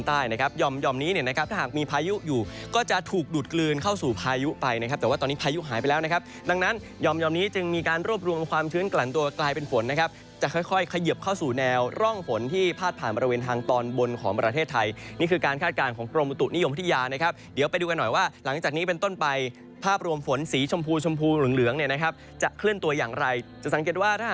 ที่ยุ่งหายไปแล้วนะครับดังนั้นยอมนี้จึงมีการรวบรวมความชื้นกลั่นตัวกลายเป็นฝนนะครับจะค่อยเขยิบเข้าสู่แนวร่องฝนที่พาดผ่านบริเวณทางตอนบนของประเทศไทยนี่คือการคาดการณ์ของกรมบุตุนิยมพฤติยานะครับเดี๋ยวไปดูกันหน่อยว่าหลังจากนี้เป็นต้นปลายภาพรวมฝนสีชมพูเหลือง